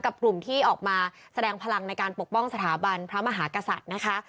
กลุ่มที่ออกมาแสดงพลังในการปกป้องสถาบันพระมหากษัตริย์นะคะ